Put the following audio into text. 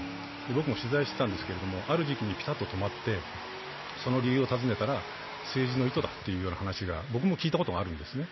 僕も取材してたんですが、ある時期にピタっと止まって、その理由を尋ねたら政治の意図だと僕も聞いたことがあるんですね。